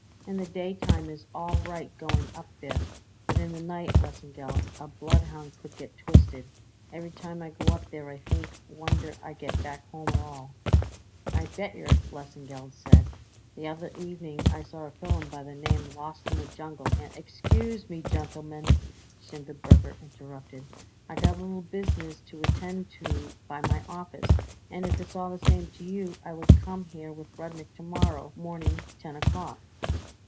"In the daytime is all right going up there, but in the night, Lesengeld, a bloodhound could get twisted. Every time I go up there I think wonder I get back home at all." "I bet yer," Lesengeld said. "The other evening I seen a fillum by the name Lawst in the Jungle, and " "Excuse me, gentlemen," Schindelberger interrupted, "I got a little business to attend to by my office, and if it's all the same to you I would come here with Rudnik to morrow morning ten o'clock."